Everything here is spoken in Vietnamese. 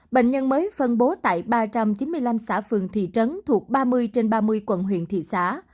bệnh nhân mới phân bố tại ba trăm chín mươi năm xã phường thị trấn thuộc ba mươi trên ba mươi quận huyện thị xã